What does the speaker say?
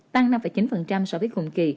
tăng năm chín so với cùng kỳ